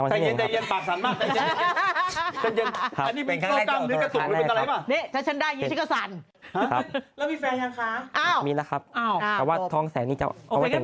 คุณฟันเลยไงเล่าให้ฟัน